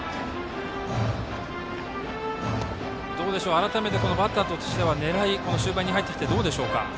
改めてバッターとしては狙いは終盤に入ってきてどうでしょうか。